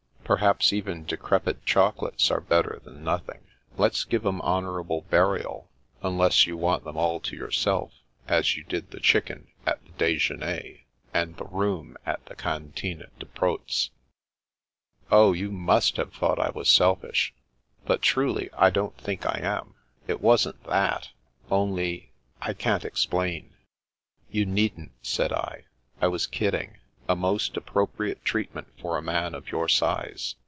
" Perhaps even decrepid chocolates are better than nothing. Let's give 'em honourable burial — ^unless you want them all to yourself, as you did the chicken at the * Dejeuner,' and the room at the Cantine de Proz." " Oh, you must have thought I was selfish ! But truly, I don't think I am. It wasn't that. Only — I can't explain." " You needn't," said I. " I was * kidding '—a most appropriate treatment for a man of your size.